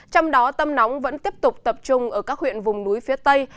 trong đó tâm nóng vẫn tiếp tục tập trung ở các huyện vùng núi phía tây